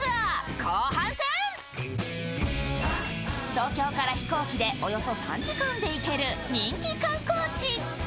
東京から飛行機でおよそ３時間で行ける人気観光地。